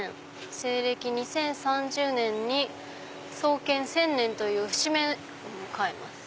西暦２０３０年に創建１０００年という節目迎えます。